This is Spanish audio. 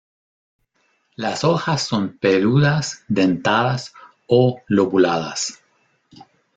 Las hojas son peludas dentadas o lobuladas.